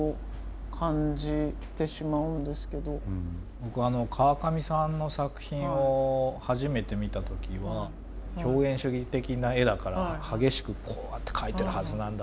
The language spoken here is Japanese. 僕川上さんの作品を初めて見た時は表現主義的な絵だから激しくこうやって描いてるはずなんだ。